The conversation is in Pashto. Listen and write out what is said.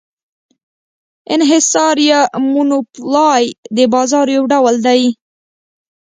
انحصار یا monopoly د بازار یو ډول دی.